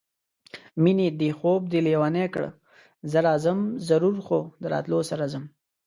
مېنې دې خوب دې لېونی کړه زه راځم ضرور خو د راتلو سره ځم